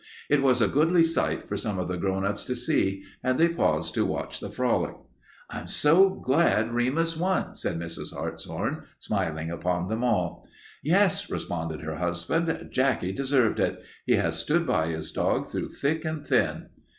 It was a goodly sight for some of the grown ups to see, and they paused to watch the frolic. "I'm so glad Remus won," said Mrs. Hartshorn, smiling upon them all. "Yes," responded her husband, "Jacky deserved it. He has stood by his dog through thick and thin."